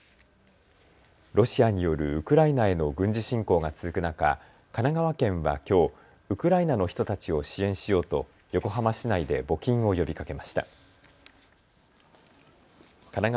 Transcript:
ロシアによるウクライナへの軍事侵攻が続く中、神奈川県はきょうウクライナの人たちを支援しようと横浜市内で募金を呼びかけました。